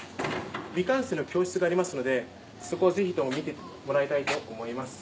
未完成の教室がありますのでそこをぜひとも見てもらいたいと思います。